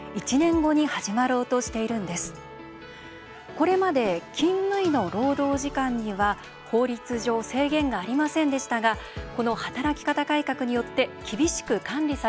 これまで勤務医の労働時間には法律上制限がありませんでしたがこの働き方改革によって厳しく管理されることになります。